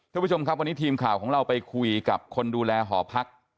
ท่านผู้ชมครับวันนี้ทีมข่าวของเราไปคุยกับคนดูแลหอพัก